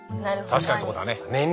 確かにそうだね。